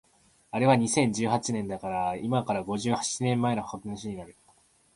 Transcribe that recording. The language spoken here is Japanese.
あれは二千十八年のことだから今から五十七年前の話になる